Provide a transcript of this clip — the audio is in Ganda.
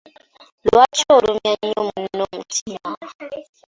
Lwaki olumya nnyo munno omutima?